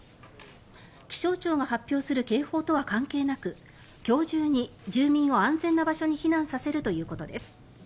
気象庁が発表する警報とは関係なく今日中に住民を安全な場所に避難させるということです。